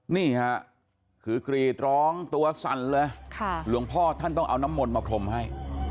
นี่ค่ะคือกรีดร้องตัวสั่นเลยหลวงพ่อท่านต้องเอาน้ำมนต์มาพรมให้